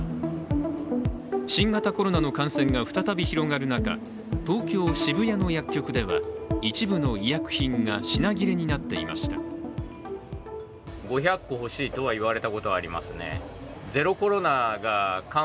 新型コロナの感染が再び広がる中東京・渋谷の薬局では一部の医薬品が品切れになっていました。